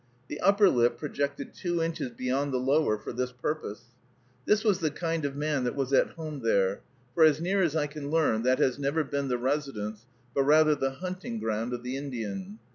The upper lip projected two inches beyond the lower for this purpose. This was the kind of man that was at home there; for, as near as I can learn, that has never been the residence, but rather the hunting ground of the Indian.